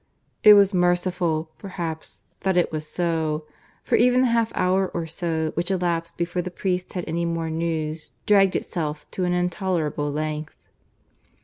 It was merciful, perhaps, that it was so, for even the half hour or so which elapsed before the priest had any more news dragged itself to an intolerable length.